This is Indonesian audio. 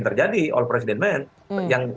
terjadi all president men yang